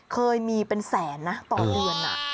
เคยมีเป็นแสนนะต่อเดือน